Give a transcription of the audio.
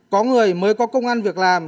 có người mới có công an việc làm